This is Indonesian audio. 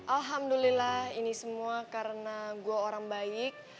alhamdulillah ini semua karena gue orang baik